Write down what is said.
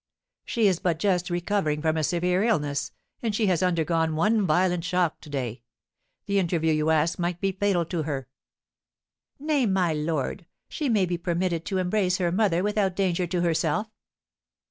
"She is but just recovering from a severe illness, and she has undergone one violent shock to day; the interview you ask might be fatal to her." "Nay, my lord, she may be permitted to embrace her mother without danger to herself."